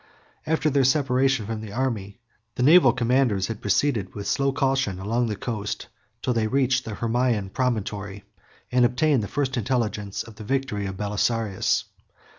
After their separation from the army, the naval commanders had proceeded with slow caution along the coast till they reached the Hermaean promontory, and obtained the first intelligence of the victory of Belisarius.